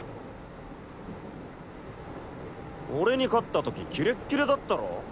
俺に勝った時キレッキレだったろ？